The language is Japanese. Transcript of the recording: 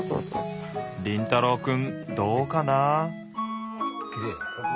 凛太郎くんどうかな？